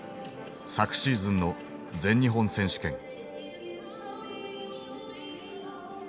昨シーズンの全日本選手権。